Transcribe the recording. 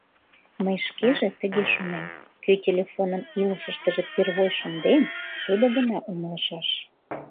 Мый шкеже тыге шонем: кӧ телефоным илышыштыже первой шынден — тудо гына умылышаш.